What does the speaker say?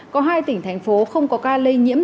có hai tỉnh thành phố không có ca lây nhiễm